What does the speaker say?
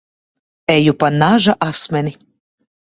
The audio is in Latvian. Eju pa naža asmeni.